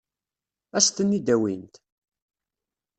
Ad sen-ten-id-awint?